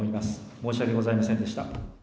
申し訳ございませんでした。